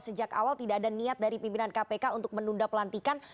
sejak awal tidak ada niat dari pimpinan kpk untuk menunda pelantikan